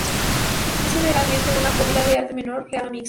Es generalmente una copla de arte menor, real o mixta.